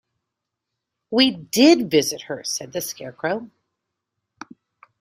"We did visit her," said the Scarecrow.